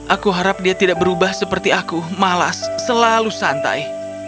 aku harap dia tidak berubah seperti aku malas selalu santai